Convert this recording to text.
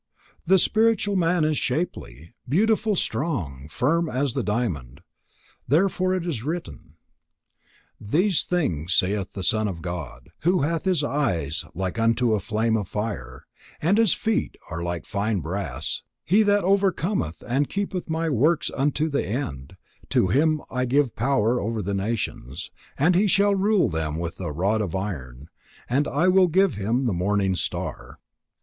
The spiritual man is shapely, beautiful strong, firm as the diamond. Therefore it is written: "These things saith the Son of God, who hath his eyes like unto a flame of fire, and his feet are like fine brass: He that overcometh and keepeth my works unto the end, to him will I give power over the nations: and he shall rule them with a rod of iron; and I will give him the morning star."